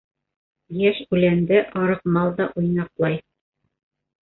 Йәш үләндә арыҡ мал да уйнаҡлай.